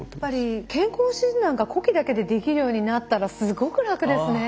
健康診断が呼気だけでできるようになったらすごく楽ですね。